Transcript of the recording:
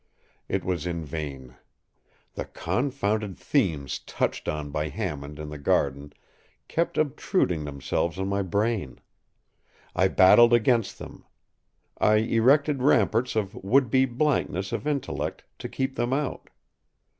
It was in vain. The confounded themes touched on by Hammond in the garden kept obtruding themselves on my brain. I battled against them. I erected ramparts of would be blankness of intellect to keep them out.